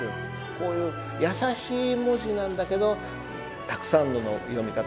こういう易しい文字なんだけどたくさんの読み方がある。